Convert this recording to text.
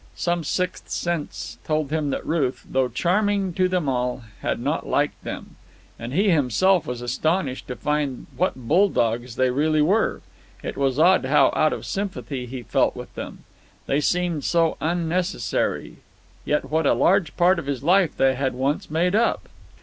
Some sixth sense told him that Ruth, though charming to them all, had not liked them; and he himself was astonished to find what bull dogs they really were. It was odd how out of sympathy he felt with them. They seemed so unnecessary: yet what a large part of his life they had once made up!